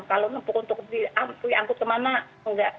kalau ngepuk untuk diangkut kemana enggak